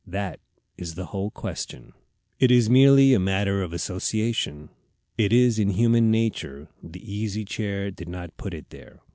That is the whole question. It is merely a matter of association. It is in human nature; the Easy Chair did not put it there.